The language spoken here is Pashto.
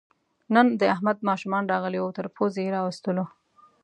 نن د احمد ماشومان راغلي وو، تر پوزې یې راوستلو.